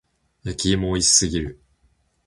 焼き芋美味しすぎる。